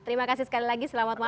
terima kasih sekali lagi selamat malam